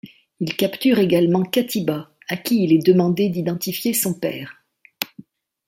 Ils capturent également Katiba, à qui il est demandé d'identifier son père.